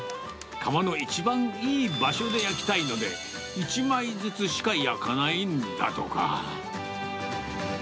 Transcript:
窯の一番いい場所で焼きたいので、１枚ずつしか焼かないんだとか。